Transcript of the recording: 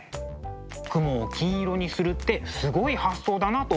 雲を金色にするってすごい発想だなと思ったんです。